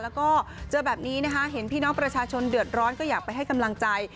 แล้วก็เจอแบบนี้นะคะเห็นพี่น้องประชาชนเดือดร้อนก็อยากไปให้กำลังใจ